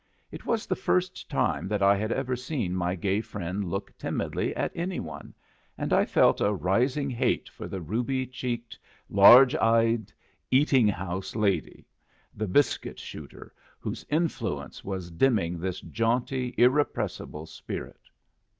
It was the first time that I had ever seen my gay friend look timidly at any one, and I felt a rising hate for the ruby checked, large eyed eating house lady, the biscuit shooter whose influence was dimming this jaunty, irrepressible spirit.